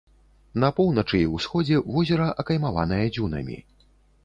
На поўначы і ўсходзе возера акаймаванае дзюнамі.